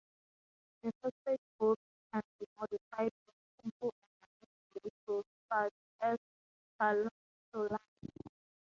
The phosphate groups can be modified with simple organic molecules such as choline.